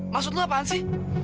maksud lu apaan sih